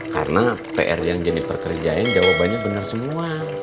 karena pr yang jennifer kerjain jawabannya benar semua